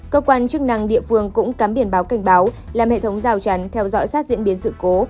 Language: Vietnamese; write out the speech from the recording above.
cơ quan chức năng địa phương cũng cắm biển báo cảnh báo làm hệ thống rào chắn theo dõi sát diễn biến sự cố